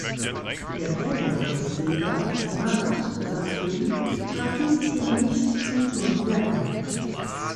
Der Vorjahressieger Marat Safin trat dieses Jahr nicht zum Turnier an.